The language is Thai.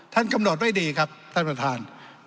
กำหนดไว้ดีครับท่านประธาน